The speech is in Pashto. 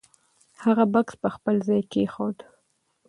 هغه بکس په خپل ځای کېښود.